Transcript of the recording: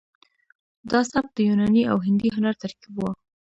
دا سبک د یوناني او هندي هنر ترکیب و